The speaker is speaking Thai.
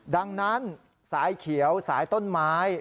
ดังนั้นสายเขียวสายต้นไม้